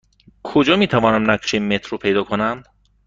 کجا می توانم نقشه مترو پیدا کنم؟